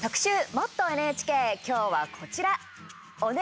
「もっとＮＨＫ」今日はこちら。